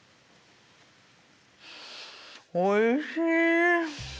おいしい！